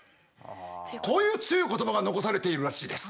こういう強い言葉が残されているらしいです。